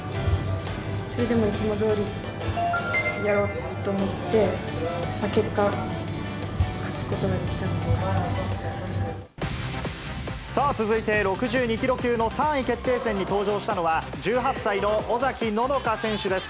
それでもいつもどおりやろうと思って、結果、勝つことができたのさあ続いて、６２キロ級の３位決定戦に登場したのは、１８歳の尾崎野乃香選手です。